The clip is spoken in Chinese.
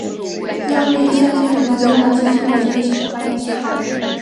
尿道下裂是一种发生在男性生殖器的一种先天性尿道发育异常。